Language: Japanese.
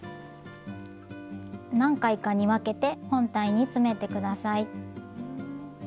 何回かに分けて本体に詰めて下さい。